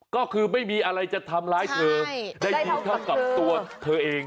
ก็คือไม่มีอะไรจะทำร้ายเธอได้ดีเท่ากับตัวเธอเอง